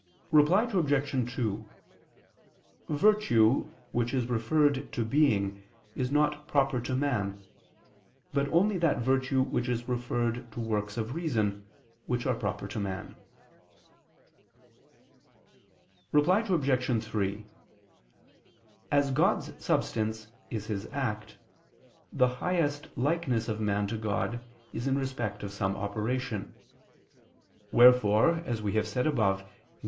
Reply Obj. 2: Virtue which is referred to being is not proper to man; but only that virtue which is referred to works of reason, which are proper to man. Reply Obj. 3: As God's substance is His act, the highest likeness of man to God is in respect of some operation. Wherefore, as we have said above (Q.